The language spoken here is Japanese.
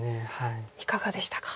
いかがでしたか？